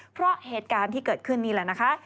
เพราะเหตุการณ์ที่เกิดขึ้นนี่แหละนะคะ